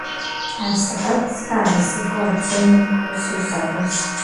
ავსა კაცსა ავი სიტყვა ურჩევნია სულსა გულსა.